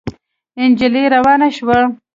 نجلۍ روانه شوه.